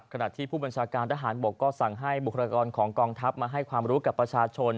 ขณะที่ผู้บัญชาการทหารบกก็สั่งให้บุคลากรของกองทัพมาให้ความรู้กับประชาชน